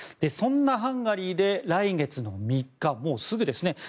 そんなハンガリーで来月の３日もうすぐですね。